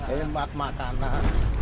ini empat makanan